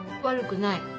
悪くない。